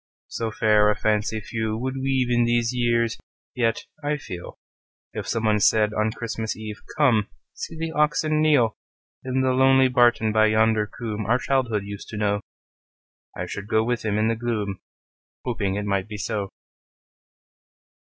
So fair a fancy few would weave In these years! Yet, I feel, If someone said on Christmas Eve, "Come; see the oxen kneel,"In the lonely barton by yonder coomb Our childhood used to know,"I should go with him in the gloom, Hoping it might be so.